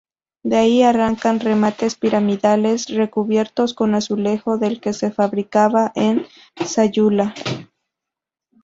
De ahí arrancan remates piramidales recubiertos con azulejo del que se fabricaba en Sayula.